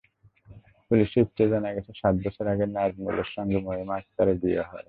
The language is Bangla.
পুলিশ সূত্রে জানা গেছে, সাত বছর আগে নাজমুলের সঙ্গে মহিমা আক্তারের বিয়ে হয়।